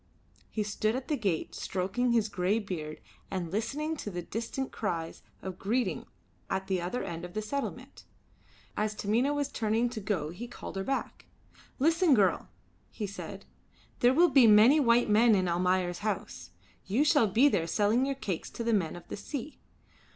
He stood at the gate stroking his grey beard and listening to the distant cries of greeting at the other end of the settlement. As Taminah was turning to go he called her back. "Listen, girl," he said: "there will be many white men in Almayer's house. You shall be there selling your cakes to the men of the sea.